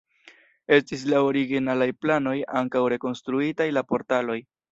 Estis laŭ originalaj planoj ankaŭ rekonstruitaj la portaloj.